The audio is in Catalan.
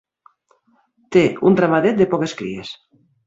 Té un ramadet de poques cries.